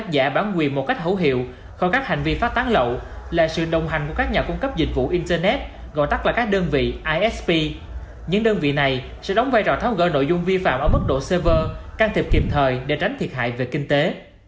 can thiệp kiềm thời để tránh thiệt hại về kinh tế